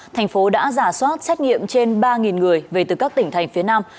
thành phố đã giả soát xét nghiệm trên ba người về từ các tỉnh thành phía nam